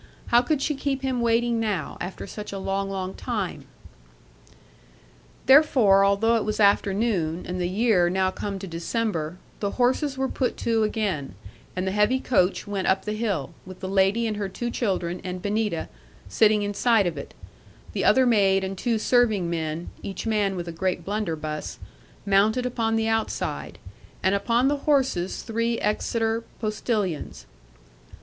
How could she keep him waiting now, after such a long, long time? 'Therefore, although it was afternoon, and the year now come to December, the horses were put to again, and the heavy coach went up the hill, with the lady and her two children, and Benita, sitting inside of it; the other maid, and two serving men (each man with a great blunderbuss) mounted upon the outside; and upon the horses three Exeter postilions.